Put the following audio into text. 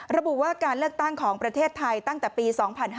ระบุว่าการเลือกตั้งของประเทศไทยตั้งแต่ปี๒๕๕๙